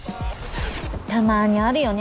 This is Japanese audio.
たまにあるよね